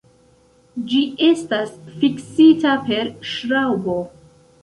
Ĝi estas fiksita per ŝraŭbo.